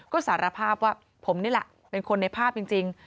ก็สารภาพว่าผมนี่แหละเป็นคนในภาพจริง